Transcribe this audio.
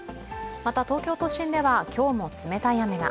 また東京都心では今日も冷たい雨が。